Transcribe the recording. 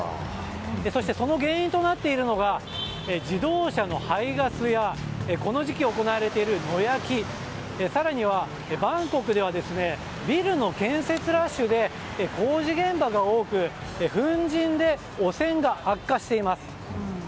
その原因となっているのが自動車の排ガスやこの時期行われている野焼き更には、バンコクではビルの建設ラッシュで工事現場が多く粉じんで汚染が悪化しています。